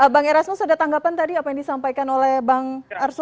bang erasmus ada tanggapan tadi apa yang disampaikan oleh bang arsul